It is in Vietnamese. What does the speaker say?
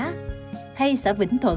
hay xã vĩnh thuận huyện vĩnh thuận